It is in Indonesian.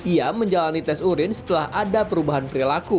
ia menjalani tes urin setelah ada perubahan perilaku